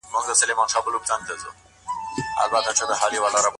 انا د ماشوم مخ په خپلو دواړو لاسو کې ونیو.